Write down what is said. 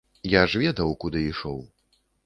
Я ж ведаў, куды ішоў.